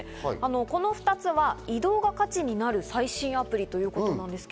この２つは移動が価値になる最新アプリというものです。